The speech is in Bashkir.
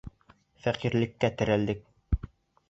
Фәҡирлеккә терәлдек